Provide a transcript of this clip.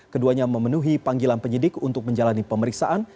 keduanya memenuhi panggilan penyidik untuk menjalani pemeriksaan